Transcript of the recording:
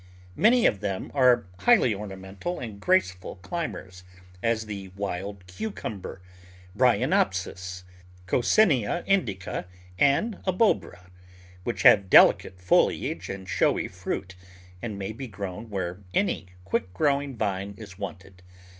Many of them are highly ornamental and graceful climbers — as the Wild Cucumber, Bryonopsis, Coccinea Indica, and Abobra, which have delicate foliage and showy fruit, and may be grown where any quick growing vine is wanted.